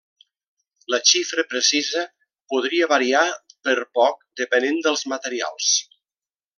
La xifra precisa podria variar per poc depenent dels materials.